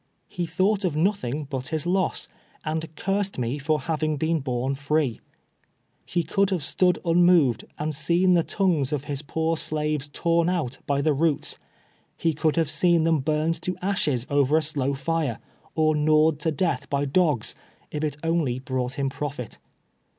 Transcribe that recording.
lie thought of nothing but his loss, and cursed me for having been born fi'ee. He could have stood nnmoved and seen the tongues of his poor slaves torn out by the roots — he could have seen them burned to ashes over a slow fire, or gnawed to death by dogs, if it only brought him profit.